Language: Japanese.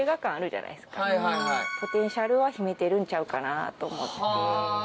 ポテンシャルは秘めてるんちゃうかなと思って。